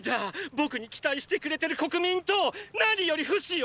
僕に期待してくれてる国民と何よりフシを！！